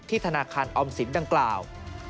ธนาคารออมสินดังกล่าว